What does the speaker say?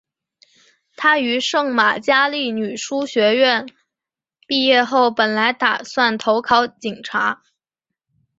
她于圣玛加利女书院毕业后本来打算投考警察。